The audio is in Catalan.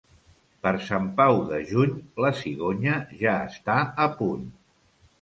Per Sant Pau de juny, la cigonya ja està a punt.